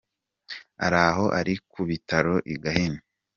Araho ari ku bitaro i Gahini.